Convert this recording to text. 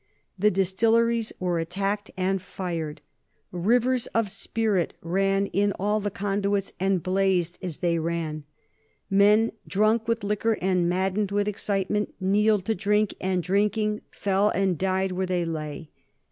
The distilleries were attacked and fired. Rivers of spirit ran in all the conduits and blazed as they ran. Men, drunk with liquor and maddened with excitement, kneeled to drink, and, drinking, fell and died where they lay.